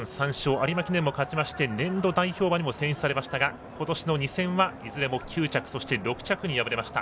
有馬記念も勝ちまして年度代表馬にも選出されましたが今年の２戦はいずれも９着、そして６着に敗れました。